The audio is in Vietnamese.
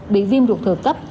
bị viêm ruột thừa cấp